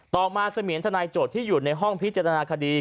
ต่อมาเสมียนทนายโจทย์ที่อยู่ในห้องพิจารณาคดี